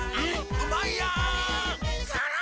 うまいやん！